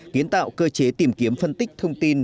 kiến tạo cơ chế tìm kiếm phân tích thông tin